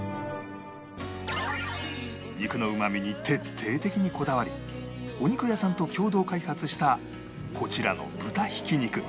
肉のうまみに徹底的にこだわりお肉屋さんと共同開発したこちらの豚ひき肉